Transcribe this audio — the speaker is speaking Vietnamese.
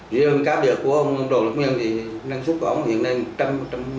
riêng cá biệt của ông đồn lục nguyên thì năng suất của ông hiện nay một trăm linh một trăm năm mươi tấm